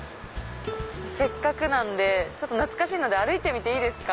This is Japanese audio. せっかくなんで懐かしいので歩いてみていいですか？